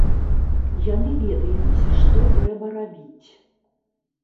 Яны ведаюць, што трэба рабіць.